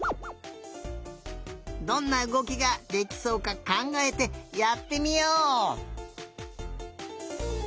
どんなうごきができそうかかんがえてやってみよう！